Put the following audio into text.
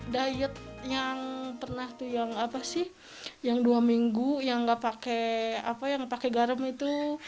diet yang pernah tuh yang apa sih yang dua minggu yang nggak pakai apa yang pakai garam itu